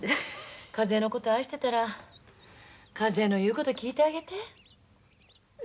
一枝のこと愛してたら一枝の言うこと聞いてあげて。